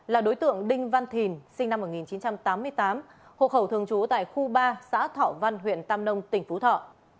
là đối tượng đinh văn thìn sinh năm một nghìn chín trăm tám mươi tám hộ khẩu thường trú tại khu ba xã thọ văn huyện tam nông tỉnh phú thọ